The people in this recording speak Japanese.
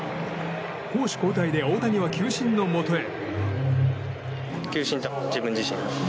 攻守交代で大谷は球審のもとへ。